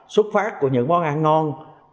xuất phát của những món ăn ngon